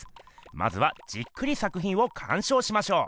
まずはじっくりさくひんをかんしょうしましょう。